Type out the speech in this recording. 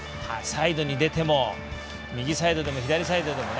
サイドに出ても右サイドでも左サイドでも。